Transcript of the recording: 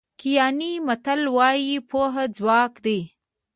کینیايي متل وایي پوهه ځواک دی.